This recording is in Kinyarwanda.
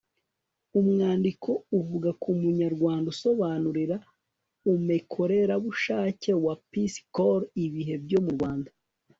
umwandiko uvuga ku munyarwanda usobanurira umekorerabushake wa peace corps ibihe byo mu rwanda